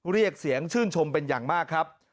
เรียกเสียงชื่นชมเป็นอย่างมากครับ